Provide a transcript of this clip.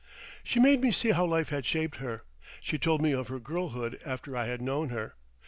She made me see how life had shaped her. She told me of her girlhood after I had known her.